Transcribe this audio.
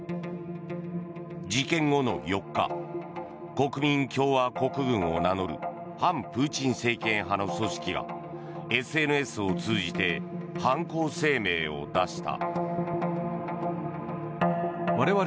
事件後の４日国民共和国軍を名乗る反プーチン政権派の組織がＳＮＳを通じて犯行声明を出した。